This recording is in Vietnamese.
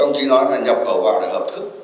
đồng chí nói là nhập khẩu vào để hợp thức